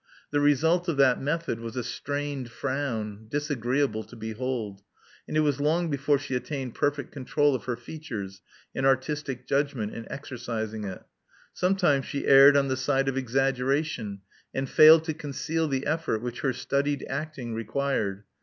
The result of that method was a strained frown, disagreeable to behold; and it was long before she attained perfect control of her features, and artistic judgment in exercising it. Some times she erred on the side of exaggeration, and failed to conceal the effort which her studied acting required.